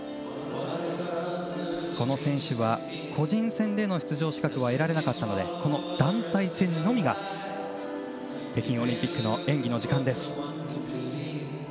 この選手は個人戦での出場資格は得られなかったのでこの団体戦のみが北京オリンピックの演技の時間です。